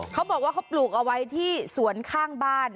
เขาบอกว่าเขาปลูกเอาไว้ที่สวนข้างบ้าน